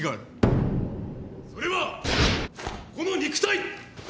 それはこの肉体。